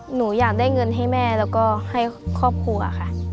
หนูอยากได้เงินให้แม่แล้วก็ให้ครอบครัวค่ะ